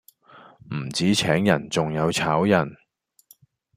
唔止請人仲有炒人